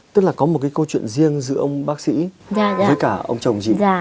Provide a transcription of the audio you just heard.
tức là có một cái câu chuyện riêng giữa ông bác sĩ với cả ông chồng chị